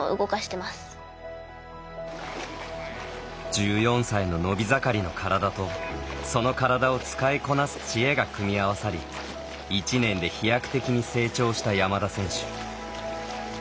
１４歳の伸び盛りの体とその体を使いこなす知恵が組み合わさり１年で飛躍的に成長した山田選手。